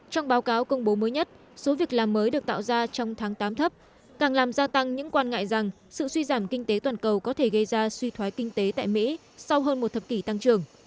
trong báo cáo công bố mới nhất số việc làm mới được tạo ra trong tháng tám thấp càng làm gia tăng những quan ngại rằng sự suy giảm kinh tế toàn cầu có thể gây ra suy thoái kinh tế tại mỹ sau hơn một thập kỷ tăng trưởng